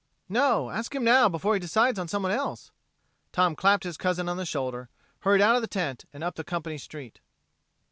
"No! Ask him now, before he decides on someone else!" Tom clapped his cousin on the shoulder, hurried out of the tent and up the company street.